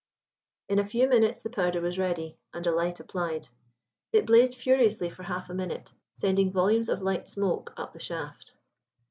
In a few minutes the powder was ready, and a light applied; it blazed furiously for half a minute, sending volumes of light smoke up the shaft.